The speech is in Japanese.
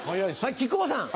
木久扇さん。